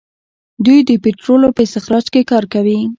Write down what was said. دوی د پټرولو په استخراج کې کار کوي.